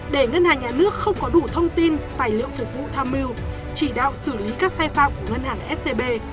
để ngân hàng nhà nước không có đủ thông tin tài liệu phục vụ tham mưu chỉ đạo xử lý các sai phạm của ngân hàng scb